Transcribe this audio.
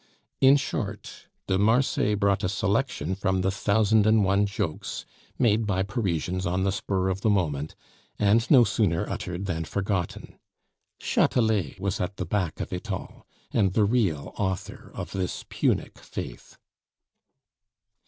In short, de Marsay brought a selection from the thousand and one jokes made by Parisians on the spur of the moment, and no sooner uttered than forgotten. Chatelet was at the back of it all, and the real author of this Punic faith.